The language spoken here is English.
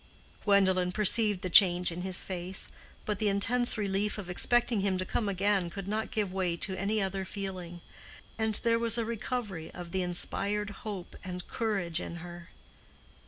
Gwendolen perceived the change in his face; but the intense relief of expecting him to come again could not give way to any other feeling, and there was a recovery of the inspired hope and courage in her.